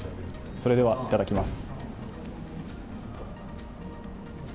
それではいただきます。